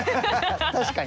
確かに。